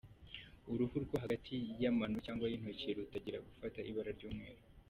Uruhu rwo hagati y’amano cyangwa y’intoki rutangira gufata ibara ry’umweru.